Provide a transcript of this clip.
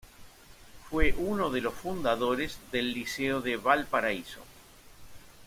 Fue uno de los fundadores del Liceo de Valparaíso.